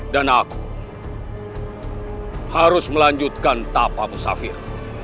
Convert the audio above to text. dan aku harus melanjutkan tapak musafir